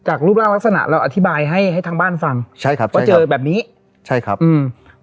รูปร่างลักษณะเราอธิบายให้ให้ทางบ้านฟังใช่ครับว่าเจอแบบนี้ใช่ครับอืม